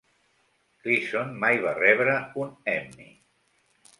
Gleason mai va rebre un Emmy.